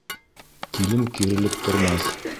Килен кирелеп тормаҫ.